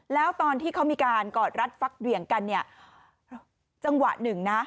แล้วตอนที่เขามีการกอดรัดฟักเหวี่ยงกันเนี่ยจังหวะหนึ่งนะ